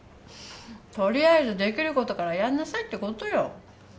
取りあえずできることからやんなさいってことよ。